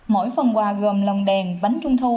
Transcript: mỗi phần quà gồm lòng đèn bánh trung thu